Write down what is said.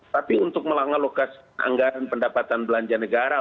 tapi untuk mengalokasi anggaran pendapatan belanja negara